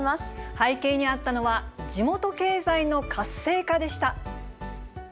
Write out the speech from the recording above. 背景にあったのは、地元経済の活性化でした。